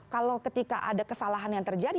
kalau ketika ada kesalahan yang terjadi